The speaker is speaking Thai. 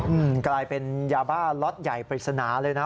อืมกลายเป็นยาบ้าล็อตใหญ่ปริศนาเลยนะ